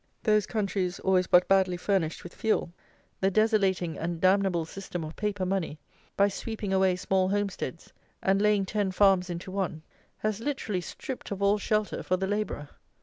Those countries, always but badly furnished with fuel, the desolating and damnable system of paper money, by sweeping away small homesteads, and laying ten farms into one, has literally stripped of all shelter for the labourer.